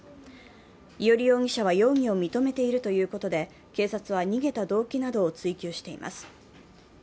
伊従容疑者は容疑を認めているということで、警察は逃げた動機などを追及しています。